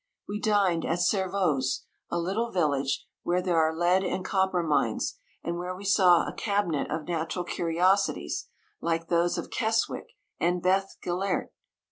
We dined at Servoz, a little village* where there are lead and copper mines, and where we saw a cabinet of natural curiosities, like those of Keswick and Bethgelert.